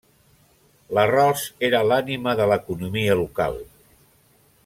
L’arròs era l’ànima de l’economia local.